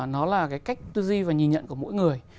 nó là cái cách tư duy và nhìn nhận của mỗi người